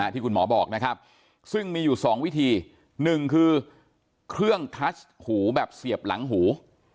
ที่คุณหมอบอกนะครับซึ่งมีอยู่๒วิธี๑คือเครื่องทัชหูแบบเสียบหลังหู